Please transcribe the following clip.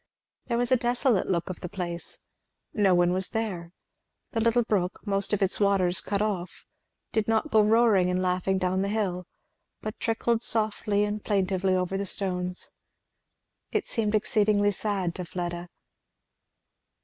There was a desolate look of the place. No one was there; the little brook, most of its waters cut oft', did not go roaring and laughing down the hill, but trickled softly and plaintively over the stones. It seemed exceeding sad to Fleda.